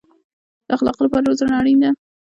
د اخلاقو لپاره روزنه اړین ده